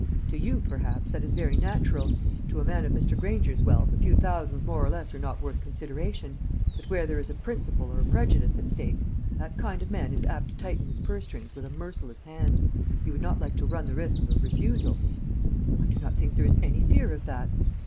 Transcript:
"To you, perhaps, that is very natural. To a man of Mr. Granger's wealth a few thousands more or less are not worth consideration; but where there is a principle or a prejudice at stake, that kind of man is apt to tighten his purse strings with a merciless hand. You would not like to run the risk of a refusal?" "I do not think there is any fear of that."